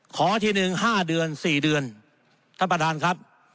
ขอทีหนึ่ง๕เดือน๔เดือนท่านประธานครับ